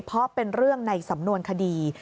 เพราะเป็นเรื่องในสำนวนคดี